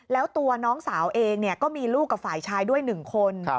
แล้วตัวน้องสาวเองก็มีลูกกับฝ่ายชายด้วย๑คน